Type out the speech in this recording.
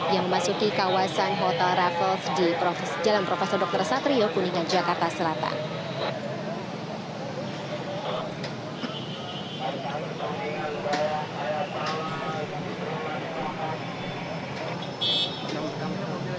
yang memasuki kawasan hotel raffles di jalan profesor dr satrio kuningan jakarta selatan